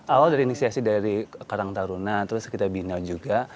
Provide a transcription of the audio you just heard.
awal dari inisiasi dari karang taruna terus kita bina juga